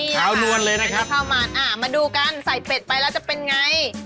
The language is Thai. ขาวนวลเลยนะครับนี่ค่ะอันนี้ข้าวมันมาดูกันใส่เป็ดไปแล้วจะเป็นอย่างไร